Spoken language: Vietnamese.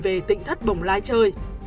về tỉnh thất bồng lai chơi